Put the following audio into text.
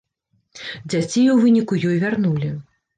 Дзяцей у выніку ёй вярнулі.